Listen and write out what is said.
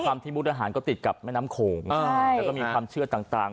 ที่มุกดาหารก็ติดกับแม่น้ำโขงแล้วก็มีความเชื่อต่าง